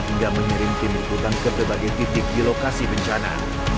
hingga mengirim tim liputan ke berbagai titik di lokasi bencana